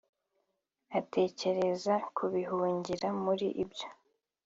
atekereza kubihungira muri ibyo